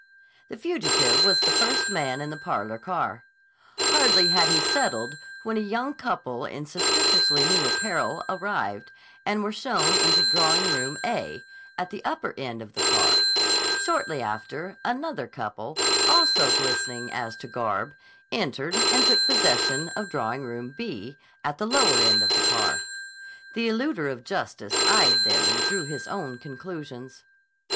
The fugitive was the first man in the parlor car. Hardly had he settled when a young couple in suspiciously new apparel arrived, and were shown into Drawing Room "A," at the upper end of the car. Shortly after, another couple, also glistening as to garb, entered and took possession of Drawing Room "B," at the lower end of the car. The eluder of justice eyed them and drew his own conclusions.